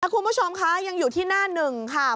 คุณผู้ชมคะยังอยู่ที่หน้าหนึ่งค่ะ